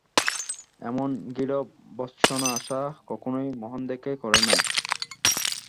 এমন গূঢ়ভর্ৎসনা আশা আর কখনোই মহেন্দ্রকে করে নাই।